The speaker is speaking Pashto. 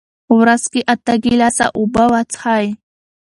ورځ کې اته ګیلاسه اوبه وڅښئ.